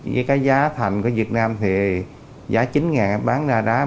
với cái giá thành của việt nam thì giá chín ngàn bán ra đá một mươi tám ngàn